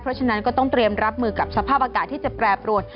เพราะฉะนั้นก็ต้องเตรียมรับมือกับสภาพอากาศที่จะแปรปรวน